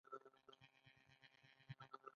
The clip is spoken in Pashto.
دوی په مخابراتو کې مخکې دي.